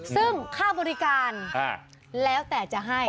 ซึ่งค่าบริการแล้วแต่จะให้